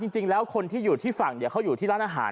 จริงแล้วคนที่อยู่ที่ฝั่งเขาอยู่ที่ร้านอาหาร